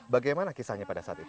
bagaimana kisahnya pada saat itu